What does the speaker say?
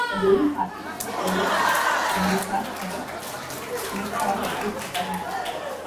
A boarding party boarded the "Tomoka", but McCoy refused to surrender.